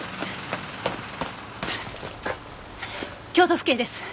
京都府警です。